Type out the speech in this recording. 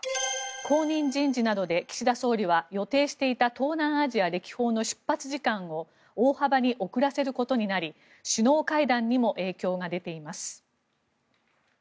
後任人事などで、岸田総理は予定していた東南アジア歴訪の出発時間を大幅に遅らせることになり首脳会談にも影響が出ています。